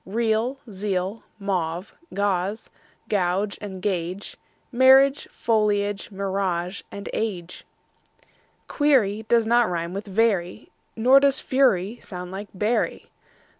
Real, zeal; mauve, gauze and gauge; Marriage, foliage, mirage, age. Query does not rime with very, Nor does fury sound like bury.